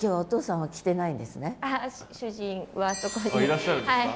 いらっしゃるんですか？